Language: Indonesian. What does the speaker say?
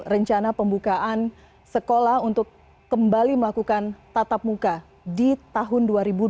rencana pembukaan sekolah untuk kembali melakukan tatap muka di tahun dua ribu dua puluh